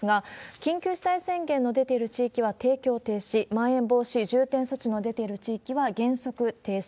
緊急事態宣言の出ている地域は提供停止、まん延防止重点措置も出ている地域は原則停止。